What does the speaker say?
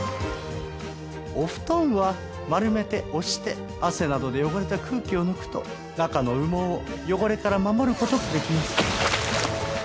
お布団は丸めて押して汗などで汚れた空気を抜くと中の羽毛を汚れから守る事ができます。